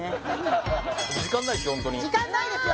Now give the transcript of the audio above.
時間ないですよ